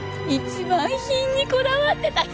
一番品にこだわってた人がね。